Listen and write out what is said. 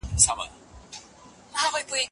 د هغه لخوا درکړل سوې باغچه بيرته ورکوې؟.